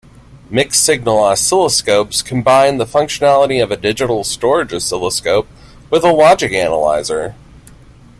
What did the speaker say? Mixed-signal oscilloscopes combine the functionality of a digital storage oscilloscope with a logic analyzer.